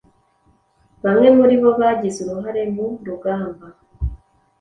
Bamwe muri bo bagize uruhare mu rugamba